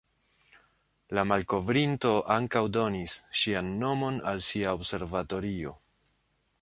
La malkovrinto ankaŭ donis ŝian nomon al sia observatorio.